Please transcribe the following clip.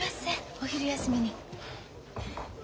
お昼休みに。